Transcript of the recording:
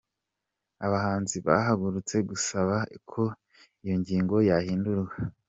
Abahinzi bahagurutse gusaba ko iyi ngingo yahindurwa.